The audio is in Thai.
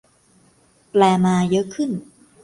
แปลมา เยอะขึ้น